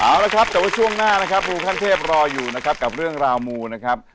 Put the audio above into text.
เอาละครับแต่ว่าช่วงหน้านะครับครูขั้นเทพรออยู่นะครับกับเรื่องราวมูนะครับ